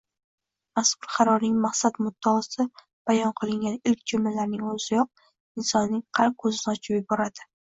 Mazkur qarorning maqsad-muddaosi bayon qilingan ilk jumlalarning oʻziyoq insonning qalb koʻzini ochib yuboradi.